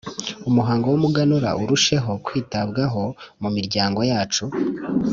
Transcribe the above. umuhango w’umuganura urusheho kwitabwaho mu miryango yacu?